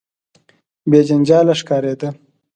بې جنجاله ښکاره ده.